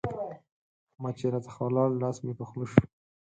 احمد چې راڅخه ولاړ؛ لاس مې په خوله شو.